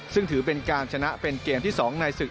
ซึ่งถือเป็นการชนะเป็นเกมที่๒ในศึก